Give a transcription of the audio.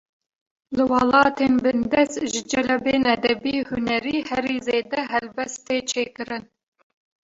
Li welatên bindest, ji celebên edebî-hunerî herî zêde helbest tê çêkirin